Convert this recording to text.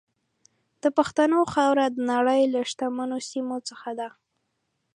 د پښتنو خاوره د نړۍ له شتمنو سیمو څخه ده.